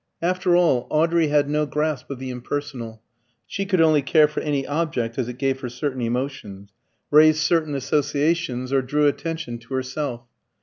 After all, Audrey had no grasp of the impersonal; she could only care for any object as it gave her certain emotions, raised certain associations, or drew attention to herself.